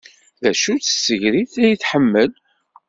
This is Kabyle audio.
D acu-tt tsegrit ay tḥemmel?